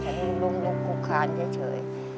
ฉันลุงลุกลุกคานเฉย